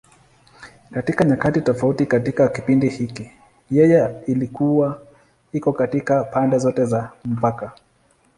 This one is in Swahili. Katika nyakati tofauti katika kipindi hiki, yeye ilikuwa iko katika pande zote za mpaka.